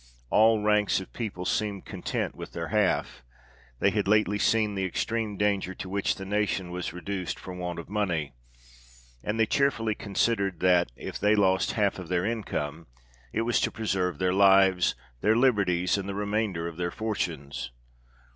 All ranks of people seemed content with their half; they had lately seen the extreme danger to which the nation was reduced for want of money, and they cheerfully considered, that, if they lost a half of their income, it was to preserve their lives, their liberties, and the remainder of their fortunes.